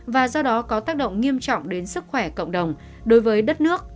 và do đó có tác động nghiêm trọng đến sức khỏe cộng đồng đối với đất nước